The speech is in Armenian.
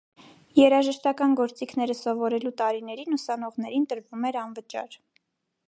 Երաժշտական գործինքները սովորելու տարիներին ուսանողներին տրվում էր անվճար։